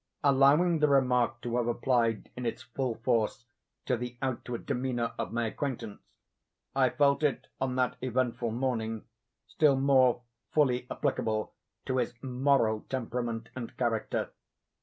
Allowing the remark to have applied in its full force to the outward demeanor of my acquaintance, I felt it, on that eventful morning, still more fully applicable to his moral temperament and character.